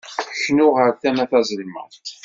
Knu ɣer tama tazelmaḍt.